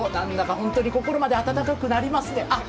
本当に心まで温かくなりますね。